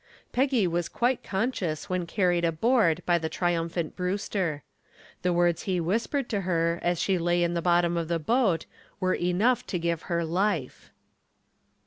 Peggy was quite conscious when carried aboard by the triumphant Brewster. The words he whispered to her as she lay in the bottom of the boat were enough to give her life.